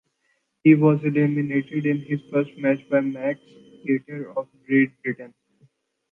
He was eliminated in his first match by Max Cater of Great Britain.